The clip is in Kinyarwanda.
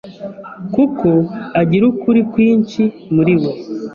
kuko agira ukuri kwinsi muri we